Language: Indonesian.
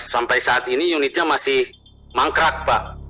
sampai saat ini unitnya masih mangkrak pak